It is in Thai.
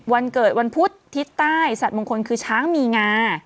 วันเกิดวันพุธทิศใต้สัตว์มงคลคือช้างมีงา